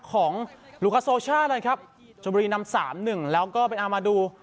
ของลูกาโซช่านะครับชมบุรีนำสามหนึ่งแล้วก็เป็นอามาดู